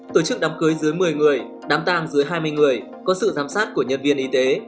tổ chức đám cưới dưới một mươi người đám tàng dưới hai mươi người có sự giám sát của nhân viên y tế